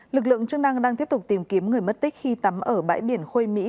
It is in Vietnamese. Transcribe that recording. lực lượng chức năng đang tiếp tục tìm kiếm người mất tích khi tắm ở bãi biển khôi mỹ